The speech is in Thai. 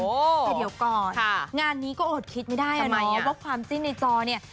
แต่เดี๋ยวก่อนงานนี้ก็อดคิดไม่ได้ว่าความจิ้นในจอเนี่ย